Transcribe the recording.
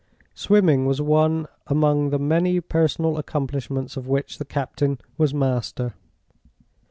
Swimming was one among the many personal accomplishments of which the captain was master.